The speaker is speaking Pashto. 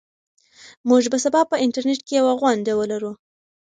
موږ به سبا په انټرنيټ کې یوه غونډه ولرو.